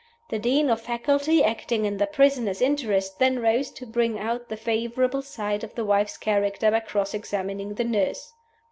The Dean of Faculty acting in the prisoner's interests then rose to bring out the favorable side of the wife's character by cross examining the nurse.